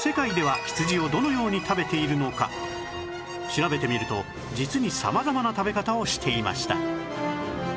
調べてみると実に様々な食べ方をしていました